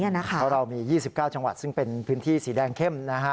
เพราะเรามี๒๙จังหวัดซึ่งเป็นพื้นที่สีแดงเข้ม